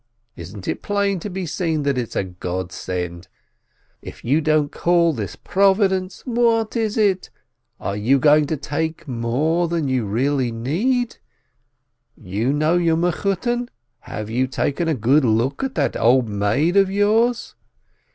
Isn't it plain to be seen that it's a godsend? If you don't call this Providence, what is? Are you going to take more than you really need? You know your Mechutton? Have you taken a good look at that old maid of yours?